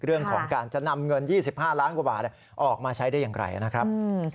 เรื่องของการจะนำเงิน๒๕ล้านกว่าบาทออกมาใช้ได้อย่างไรนะครับ